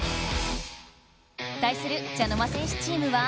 対する茶の間戦士チームは。